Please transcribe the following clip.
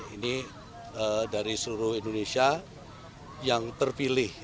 ini dari seluruh indonesia yang terpilih